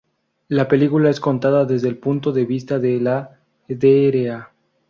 La película es contada desde el punto de vista de la Dra.